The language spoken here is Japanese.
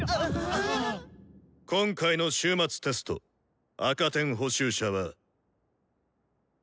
今回の終末テスト赤点補習者は。